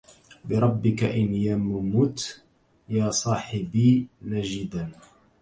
بربك إن يممت يا صاحبي نجدا